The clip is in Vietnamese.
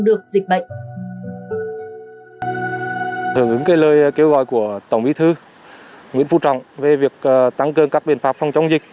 được dịch bệnh hưởng ứng lời kêu gọi của tổng bí thư nguyễn phú trọng về việc tăng cường các biện pháp phòng chống dịch